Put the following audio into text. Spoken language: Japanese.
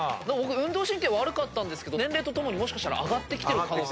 運動神経悪かったけど年齢とともにもしかしたら上がってきてる可能性。